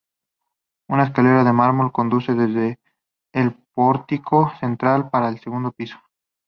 Una escalera de mármol conduce desde el pórtico central al segundo piso.